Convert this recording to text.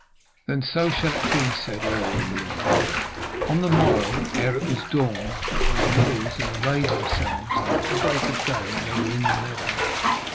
'Then so shall it be,' said Earl Inewl. On the morrow, ere it was dawn, they arose and arrayed themselves; and at break of day they were in the meadow.